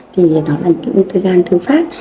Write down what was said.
thì nó là những cái uống thư gan thư phát